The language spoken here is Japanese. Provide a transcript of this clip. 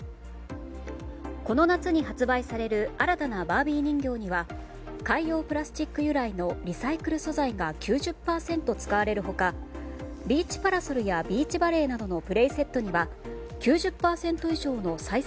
この夏に発売される新たなバービー人形には海洋プラスチック由来のリサイクル素材が９０％使われる他ビーチパラソルやビーチバレーなどのプレーセットには９０％以上の再生